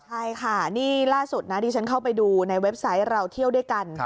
ใช่ค่ะนี่ล่าสุดนะที่ฉันเข้าไปดูในเว็บไซต์เราเที่ยวด้วยกัน